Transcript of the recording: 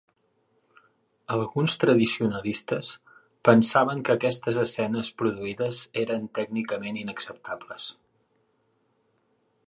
Alguns tradicionalistes pensaven que aquestes escenes produïdes eren "tècnicament inacceptables".